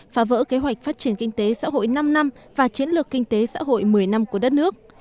phá vỡ kế hoạch phát triển kinh tế xã hội năm năm và chiến lược kinh tế xã hội một mươi năm của đất nước